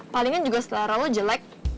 palingan juga selera lo jelek